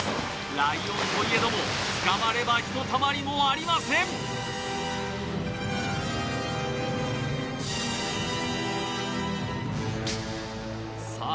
ライオンといえども捕まればひとたまりもありませんさあ